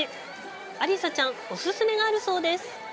アリサちゃんお勧めがあるそうです。